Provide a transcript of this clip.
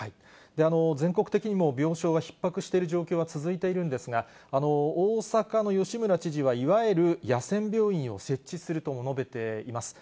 全国的にも病床がひっ迫している状況が続いているんですが、大阪の吉村知事は、いわゆる野戦病院を設置するとも述べています。